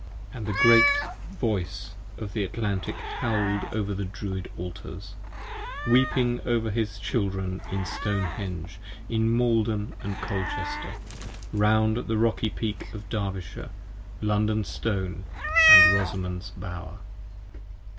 5 And the Great Voice of the Atlantic howled over the Druid Altars: Weeping over his Children in Stone henge, in Maiden & Colchester, Round the Rocky Peak of Derbyshire, London Stone & Rosamond's Bower.